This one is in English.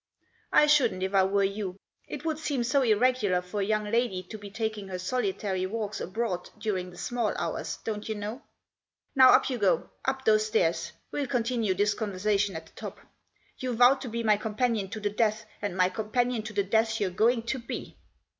"I shouldn't if I were you. It would seem so irregular for a young lady to be taking her solitary walks abroad during the small hours, don't you know. Now up you go — up those stairs. We'll continue this conversation at the top. You vowed to be my companion to the death, and my companion to the death you're going to be."